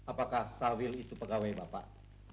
apakah sawil itu pegawai bapak